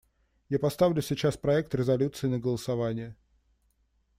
Я поставлю сейчас проект резолюции на голосование.